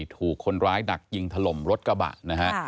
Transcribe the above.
ถูกคนร้ายดักยิงถล่มรถกระบะนะฮะ